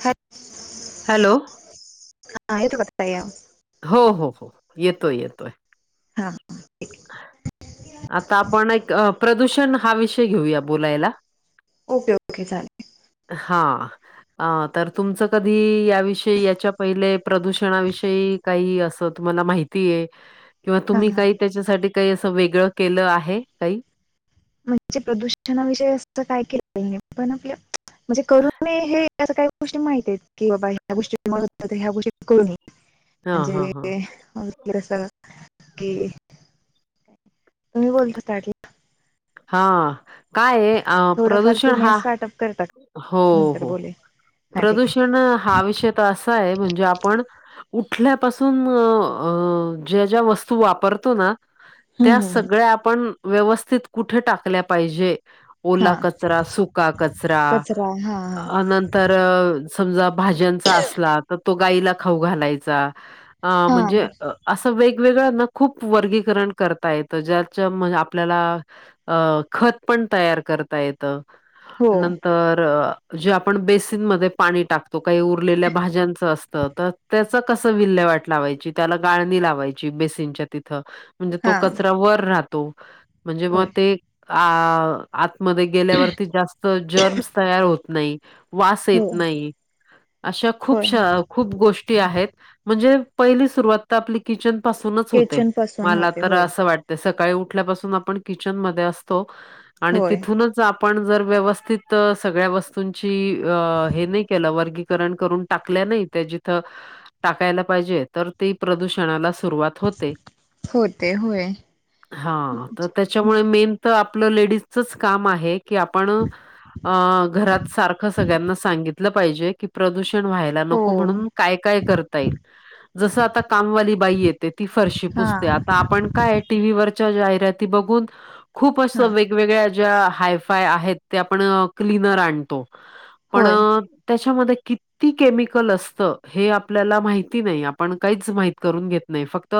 हॅ हॅलो. [unintelligible] हो हो हो, येतोय येतोय. हा [unintelligible] आता आपण एक प्रदूषण हा विषय घेऊया बोलायला. ओके ओके चालेल. हा. अ तर तुमचं कधी याविषयी याच्या पहिले प्रदूषणाविषयी काही असं तुम्हाला माहितीय. किंवा हा तुम्ही हा काही त्याच्यासाठी काही असं वेगळं केलं आहे काही. म्हणजे प्रदूषणाविषयी अस काय केलेल नाय पण आपलं म्हणजे करून हे काही गोष्टी माहित आहेत की बाबा ह्या गोष्टी [unintelligible] गोष्टी करू नये हां, हां, म्हणजे. हां. [unintelligible] कि, तुम्ही बोलता की हा, काय ये थोडंफार प्रदूषण तुम्ही हा, स्टार्टअप करता हो का? नंतर हो. बोले हा ठीक आहे प्रदूषण हा विषय तर असा आहे म्हणजे आपण उठल्यापासून ज्या ज्या वस्तू वापरतो ना. हम्म, त्या हम्म, हम्म. सगळ्या आपण व्यवस्थित कुठे टाकल्या पाहिजे. हा ओला कचरा, सुका कचरा, हा हा नंतर. समजा भाज्यांचा असला तर तो गायीला खाऊ घालायचा, अ हा म्हणजे असं वेगवेगळ्याना खूप वर्गीकरण करता येतं ज्याच्या म्हण आपल्याला अ खत पण तयार करता येत, हो नंतर जे आपण बेस बेसीनमध्ये पाणी टाकतो. काही उरलेल्या भाज्यांच असतं तर त्याच कस विल्हेवाट लावायची. त्याला गाळणी लावायची बेसीनच्या तिथं. म्हणजे तो हा कचरा वर राहतो, म्हणजे म होय ते अ आतमध्ये गेल्यावरती जास्त जर्मस तयार होत नाही. वास हो येत नाही, अशा होय खूपशा खूप गोष्टी आहेत, म्हणजे पहिली सुरुवात आपली किचन पासूनच होते, किचन पासून मला होते तर होय असं वाट ते सकाळी उठल्यापासून आपण किचन मध्ये असतो, आणि होय तिथूनच आ पण जर व्यवस्थित सगळ्या वस्तूंची अ हे नाही केलं वर्गीकरण करून टाकल्या नाही त्या जिथं टाकायला पाहिजे तर ती प्रदूषणाला सुरुवात होते. होते होय. हा तर त्याच्यामुळे मेन तर आपलं लेडीजचच काम आहे. कि आपण, अ घरात सारखं सगळ्यांना सांगितलं पाहिजे की प्रदूषण व्हायला नको हो म्हणून काय काय करता येईल? जसं आता कामवाली बाई येते ती फरशी हा पुसते. आपण काय टीव्ही वरच्या जाहिराती बघून, खूप असं हा वे वेगवेगळ्या ज्या हायफाय आहेत त्या आपण क्लनर आणतो. पण, होय त्याच्यामध्ये की ती केमिकल असत हे आपल्याला माहिती नाही आपण काहीच माहीत करून घेत नाही फक्त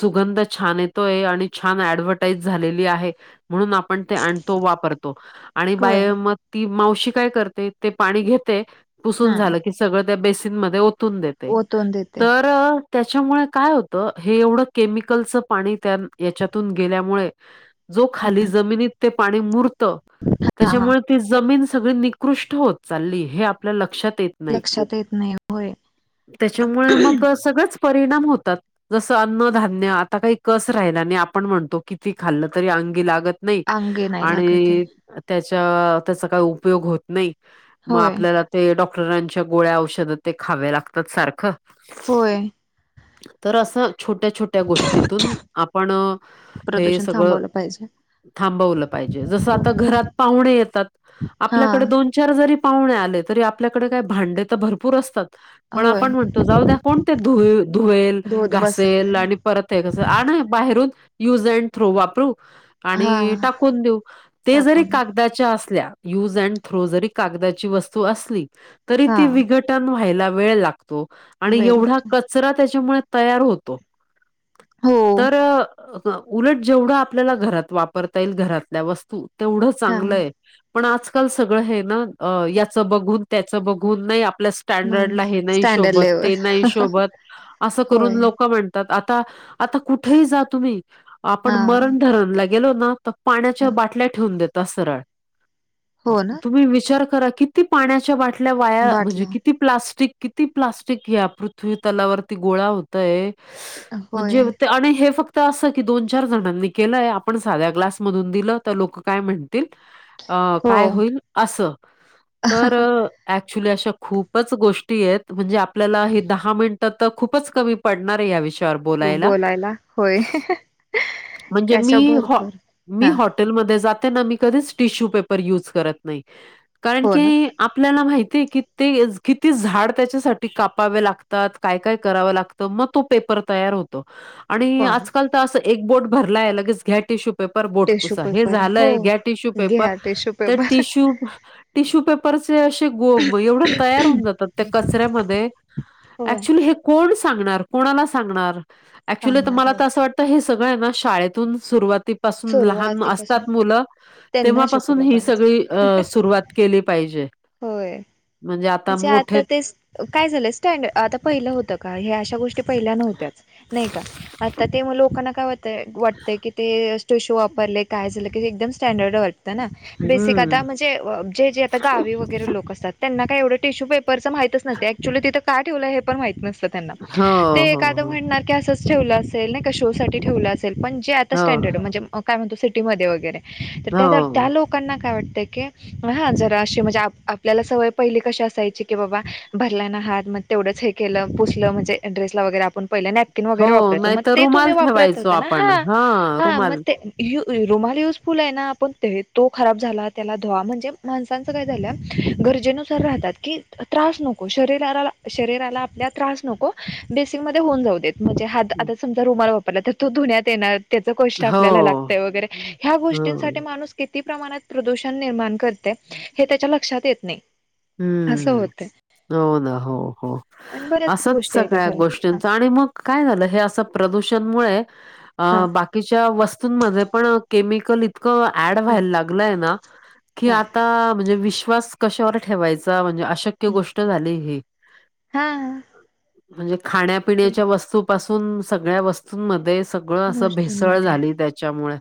सुगंध छान येतोय आणि छान ऍडव्हटाईज झालेली आहे, म्हणून आपण ते आणतो वापरतो, आणि होय बाय म ती मावशी काय कर ते ते पाणी घेते पुसून हम्म झालं की सगळं त्या बेसीन मध्ये ओतून दे ते, ओतून देते तर अ त्याच्यामुळे काय होत हे एवढं केमिकलचं पाणी त्या याच्यातून गेल्यामुळे जो खाली जमिनीत ते पाणी मुरत हा हा त्याच्यामुळे ते जमीन सगळी उत्कृष्ट होत चालली हे आपल्या लक्षात येत नाही लक्षात येत नाही होय त्याच्यामुळे मग सगळच परिणाम होतात जसं अन्न धान्य आता काही कस राहिल आणि आपण म्हणतो किती खाल्लं तरी अंगी लागत नाही अंगे नाही आणि लागत आहे त्याच्या त्याचा काही उपयोग होत नाही मग होय आपल्याला ते डॉक्टरांच्या गोळ्या औषधात ते खावे्या लागतात सारखं होय तर असं छोट्या छोट्या गोष्टीतून आपण हे प्रदूषण सगळं थांबवलं पाहिजे थांबवलं पाहिजे जस आ हो घरात पाहणे येतात हा आपल्या दोन चार जरी पाहुणे आले तरी आपल्याकडे काय भांडे तर भरपूर असतात पण होय आपण म्हणतो जाऊ द्या कोण ते धुल धोत घासल बसेल आणि परत आहे कसं आणि बाहेरून युज अँड थ्रू वापरू हा आणि टाकून देऊ ते जरी टाकून कागदाच्या असल्या यूज अँड ्र जरी कागदाची वस्तू असली तरी हा ती विघटन व्हायला वेळ लागतो आणि वेळ एवढा लागतो कचरा त्याच्यामुळे तयार होतो हो तर उलट जेवढं आपल्याला घरात वापरता येईल घरातल्या वस्तू तेवढं हा चांगलंय पण आजकाल सगळं हे ना याच बघून त्याच बघून नाही आपल्या स्टँडर्डला माणूस हे नाही स्टँडर्ड शोबत लेवल ते नाही शोबत असं होय करून लोक म्हण आता आता कुठेही जा तुम्ही आपण हा मरण धरणला गेलो ना तर हा पाण्याच्या बाटल्या ठेवून देतात सरळ हो ना तुम्ही विचार करा किती पाण्याच्या बाटल्या वाया म्हणजे बाटला किती प्लास्टिक किती प्लास्टिक ह्या पृथ्वी तलावरती गोळा होतय होय म्हणजे ते आणि हे फक्त तर असं की दोन चार जणांनी केलंय आपण साध्या ग्लासमधून दिलं तर लोक काय म्हणत हो काय होईल अस तर अऍक्च्युली अशा खूपच गोष्टी आहेत म्हणजे आपल्याला हे दहा मिनट तर खूपच कमी पडणार आहे या विषय बोलायला होय म्हण कशा भरपूर हा ेल म जातेना म कधीच टिश्यू पेपर युज करत नाही कारण हो की ना आपल्याला माहितीय की ते किती झाड त्याच्यासाठी कापावे लागतात काय काय करावं लागतात मग तो पेपर तयार होतो आणि हो ना आजकाल तर अस एक बोर्ट भरलाय लगेच घटश बपु टिश्यू झाय पेपर हो घ टिश्यू पेपर घ्या टिश्यू पेपर टिश्यू टिशू व तयार होऊन जात त्या कच्यामध्ये होय क्चुली कोण सांगणार कोणाला सांगणार ऍक्च्युली तर सांगणार मला हो तर असं वाटत तर हे सगळं ना शाळेतून सुरुवातीपासून लहान सुरुवातीपासून असतात मुलं त्यांना तेव्हापासून शिकवलं ही पाहिजे सगळी सुरुवात केली पाहिजे होय म्हणजे आता मोठे काय झालंय स्टँडर् आता पहिलं होतं का हे अशा गोष्टी पहिल्या नव्हत्याच नाही का आता ते लोकांना काय वातय वाटतय की ते ो शो वापरले काय झालं क एकदम स्टँडर्ड वाटतं ना बेसिक आता हम्म. म्हणजे जे जे आता गावी गैर लोक असत त्यां काय एवढे टिशू पेपरच माहितच नते ऍक्चु तिं का ठेवलं हे पण माहत नतं हो, ए हो, हो, म्हण अस ठेव असेल शोेव असेल आता हो, स्टडर्ड म्हणजे काय म्हणतो सिटीमध्ये वगैरे तर हो, त्याोक लकना काय वाटत ह जणे आपल्याला सवय पहिली कश असायची की बाबा भरला ना हात मग तेवढंच हे केलं पुसलं म्हणजे एड्रेस वगैे आपण पहि नॅपकिन वगैरे हो. वापरायचं मग नाहीतर ते तुम्ही रुमाल वापरत ठेवायचो होता ना आपण. हा हां, हा मग रुमाल. ते य रुमाल युजफुल आहे ना आपण ते तो खराब झाला त्याला धुवा म्हणजे माणसांचं काय झालं. गरजेनुसार राहतात की त्रास नको शरीरा शरीराला आपल्या त्रास नको. बेसिक मध्ये होऊन जाऊ देत म्हणजे हात हं. आता समजा रुमाला वापरला तर तो धुण्यात येणार. त्याच कष्ट हो. आपल्याला लागतय वगैरे ह्या गोष्टींसाठी हं. माणूस. किती प्रमाणात प्रदूषण निर्माण करते. हम्म. हे त्याच्या लक्षात येत नाही. असं हम्म होतंय हो ना हो हो आणि बऱ्याच असंच गोष्टी आहेत त्या सगळ्या गोष्टी. खऱ्या आणि मग काय झालं हे असं प्रदूषणमुळे. अ हा बाकीच्या वस्तूंमध्ये पण केमिकल. ड व्हायला लाग क हा आ म्हण विश्वा क. ठेवाय म्हणजे अशक्य गोष्ट झाली हे. हा. म्हणजे खाण्यापिण्याच्या वस्तूपासून सगळ्या वस्तू. मध्ये सगळं असं मस्तून भेसळ मध्ये झाली त्याच्यामुळे.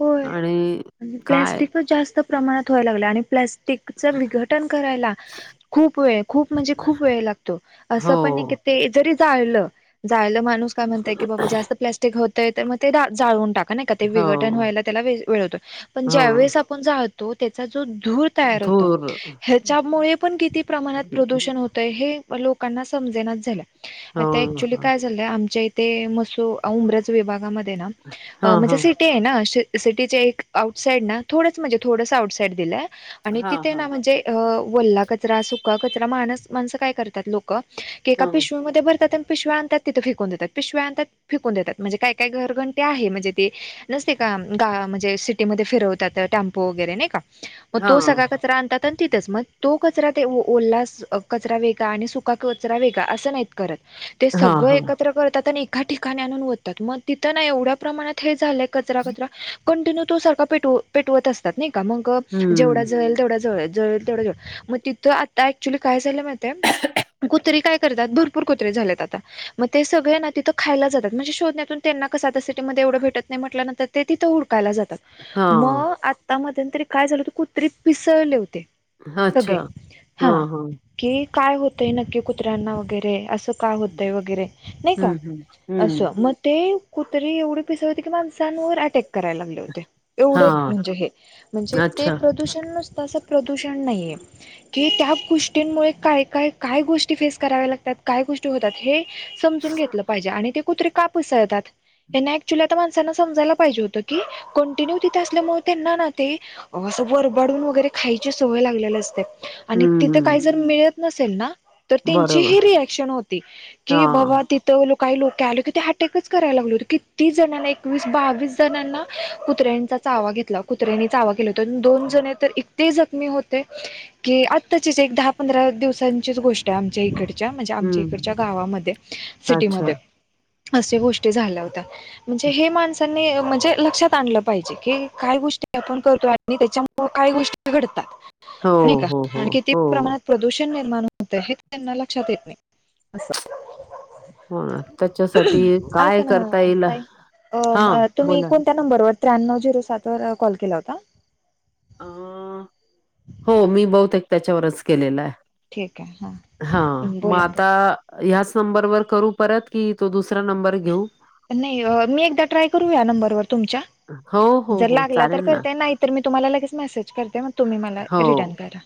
होय आणि काय प्लाॅस्टिकच जास्त प्रमाणात व्हाय लागलं आणि प्स्ट. च विघटन करायला. खूप वेळ खूप म्हणजे खूप वेळ लागतो हो, असं पण नाही. ते जरी जाळलं जा माणूस काय म्हणताय की बाबा जास्त प्. होतय तर मग ते जाळून टाका नाही का ते विघटन हो, व्हायला त्याला वेळ होतो पण ज्या हो. वळेस. णतो त्याचा जो धूर. होत धूर. ह्याच्यामुळे पण किती प्रमाणात प्रदूषण हो. लोना सम. हो, हां. हां, हां. [inaudible] ते आहे ना सिटीचे एक आउट साईड ना थोड म्हणजे थोडस आउट साईड दिलंय. आणि हां, तिथे ना हां. म्हणजे वल्ला कचरा सुका कचरा माणस माणसं काय करतात लोक. एका हां. पिशव्या भरतात प्या. तिथं फिकून देतात पिशव्यांतात फिकून देतात म्हणजे काय काय घरघंटे आहे म्हणजे ते. ते का म्हणजे सिटीमध्ये फिरवतात टेम्पो वगैरे नाही का मग तो हां. सगळ कच राहतात. तिथच मग तो कचरा ओलला कचरा वेगळा आणि सुका कचरा वेगा असं नाहीत करत. ते हां, सगळं हां. एकत्र करतात आणि एका ठिकाणी आणून होतात मग तिथं ना एवढ्या प्रमाणात हे झालंय. कचरा कचरा कंटिन्यू तो सारख पेटवत असतात नाही का मग. हं. जेवढा जळेल तेवढा जव जळेल तेवढ जवल मग तिथं आता ऍक्च्युली काय झालं मत. कुत्र्री काय करतात भरपूर कुत्रे झाल्यात आता. मग ते सगळे ना तिथं खायला जातात म्हणजे शोधण्यातून त्यांना कसं. वढ भेटत नाही म्हटल्या नंतर ते तिथं हडकायला जात हां. मग. ता मंतरी काय झालं होत कुत्रीे पिसळले होते सगळे अच्छा. हा. हां, हां. कि काय होतय नक्की कुत्र्यांना वगैरे असं. काय होतय वगैरे नाही का हं, हं. हं. असं मग ते कुतरी एवढे पिसावते. माण अटक करायला लागले होते एवढ हां. म्हणजे म्हणजे. अच्छा. प्रदूषण नुसतं असं प्रदूषण नाहीये. की त्या गोष्टींमुळे काय काय काय गोष्टी फेस कराव्या लागतात काय गोष्टी होतात हे. समून घ पाे कुते का पस. माणसांना समजायला पाहिजे होत की कंटिन्यू तिथे असल्यामुळे त्यांना ना ते. असं वरबाडून वगैरे खायची सवय लागलेली असते. आणि तिथे हं. काही जर मिळत नसेल ना. तर त्यांची बरोबर. ही रिएक्शन होती की हां. बाबा ति. काही लोके आलेो की ते हटकच कराय लागल होत किती जणांना एकवीस बावीस जणांना कुत्र्यांंचा चावा घेतला कुत्र्यांनीचावा केला तर दोन जण तर ते जखमी होते की आत्ताचीच एक दहा पंधरा दिवसांचीच गोष्ट आहे आमच्या इकडे म्हणज आमच्या हं. इडच्या गावामध्ये अच्छा. सिटीमध्ये अस गोष्टी झाल्या होत्या. म्हणजे माण. म्हणजे लक्षात आणलं पाहिजे की काय गोष्टी आपण करतो आणि त्याच्या काय गोष्टी. डतात हो, नाही का हो, हो, आण कि हो. प्रमाणात प्रदूषण निर्माण होत हे त्यांना लक्षात येत नाही अस हा त्याच्यासाठी काय करता येईल हा तुम्ही बोला. कोणत्या नंबरवर त्र्याण्णव झिरो सात वर कॉल केला होता अ हो मी बहते एकक त्याच्यावरच केलेलं आहे हा बोला बोला मात ह्याच नंबरवरर करू परत कि तो दुसरा नंबर घेऊ नाही मी एकदा ट्राय करू या नंबरवर तुमच्या हो हो जर हो लागला तर चालेल ना करते नाही तर मी तुम्हाला लगेच मेसेज करते मग तुम्ही मला हो रिटर्न करा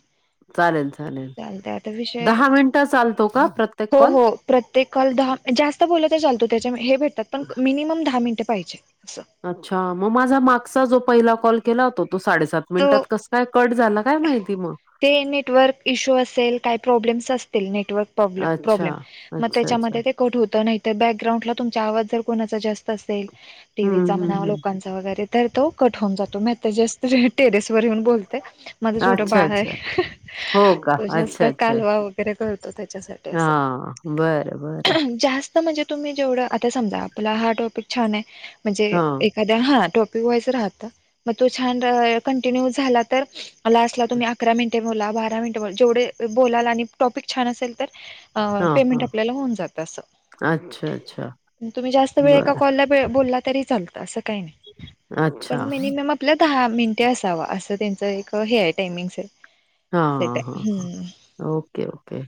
चालतंय आता विषय [inaudible] हो हो प्रत्येककाल दहा जास्त बोला तर चालतो त्याच्या हे भेटतात पण मिनिमम दहा मिनिटे पाहिजे अस अच्छा मग माझा मागचा जो पहिला कॉल केला होता तो साडेसात मिनिटात तो कस काय कट झाला काय माहिती म ते नेटवर्क इशू असेल काही प्रॉब्लेमस असतील नेटवर्क प्रॉब्ले अच्छा प्रॉब्लेम अच्छा अच्छा होत नाही तर बॅकग्राउंला तुम आवाज जर कोणा जास्त असेल हम्म टीव्हीचा हम्म म्हणा हम्म लोकांचा रे तर तो कठ होन जातो मस् टेरेस वर येऊन बोलते माझं छोटं अच्छा बाळ अच्छा आहे हो का तो जास्त कालवा वगैरे करतो त्याच्यासाठी हा असं बरं बरं जास्त म्हणजे तुम्ही जेवढं आता समजा आपुला हा टॉपिक छान आहे हां, म्हणजे हा टॉपिक वाज राह मग तो छान कंटिन्यू झाला तर ला असला तुम्ही अकरा मिनिटे बला बारा मिनिटे जेवढे बोलाल आणि टॉपिक छान असेल तर हां, पमें हां. आपल्या हो अच्छा, अच्छा. जातम्त वे ए क बरं. हं. ब अच्छा. आपल्या दहा मिनिटे असावा असं त्यांचं एक हे आहे टाइमिंगस हा हा हा ओके ओके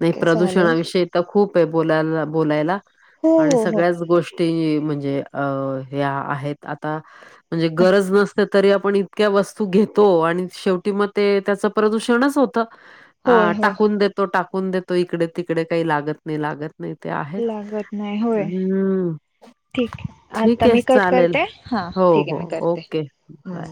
नाही ओके चालेल प्रदूषणाविषयी तर खूप आहे बोलायला बोलायला हो आणि हो हो सगळ्याच गोष्टी म्हणजे आहेत आता म्हणजे गरज नसत तरी आपण इतक्या वस्तू घेतो आणि शेवटी मग ते त्याच प्रदूषणच होत ह होय होय टाकून देतो टाकून देतो इकडे तिकडे काही लागत नाही लागत नाही ते आहेच लागत नाही होय हम्म ठीक आहे ठीक आता आहे मी कट चालेल करते हां हो ठीक आहे हो मी करते ओके हं, बाय